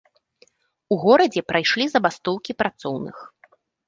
У горадзе прайшлі забастоўкі працоўных.